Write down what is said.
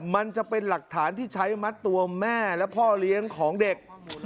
มันจะเป็นหลักฐานที่ใช้มัดตัวแม่และพ่อเลี้ยงของเด็ก